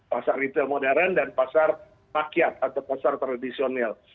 pasar retail modern dan pasar rakyat atau pasar tradisional